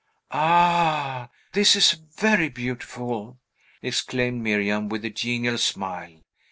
"Ah, this is very beautiful!" exclaimed Miriam, with a genial smile.